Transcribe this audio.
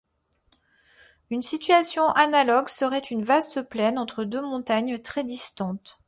Une situation analogue serait une vaste plaine entre deux montagnes très distantes.